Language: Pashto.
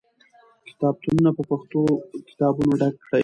کتابتونونه په پښتو کتابونو ډک کړئ.